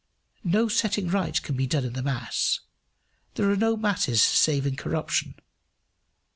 No setting right can be done in the mass. There are no masses save in corruption.